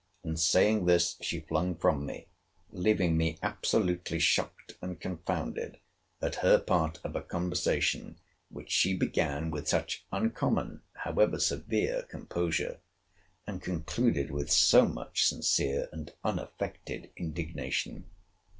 And, saying this, she flung from me; leaving me absolutely shocked and confounded at her part of a conversation which she began with such uncommon, however severe, composure, and concluded with so much sincere and unaffected indignation.